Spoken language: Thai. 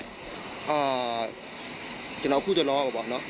อ่าจะน้องคู่จะรอกว่าบอกเนาะ